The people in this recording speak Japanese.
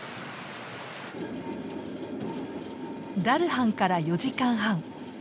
ダルハンから４時間半。